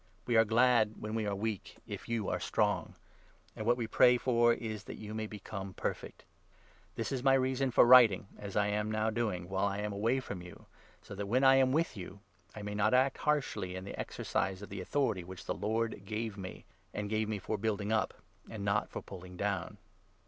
We are glad when we are weak, if you are strong. And what 9 we pray for is that you may become perfect. This is my 10 reason for writing as I am now doing, while I am away from you, so that, when I am with you, I may not act harshly in the exercise of the authority which the Lord gave me — arid gave me for building up and not for pulling down.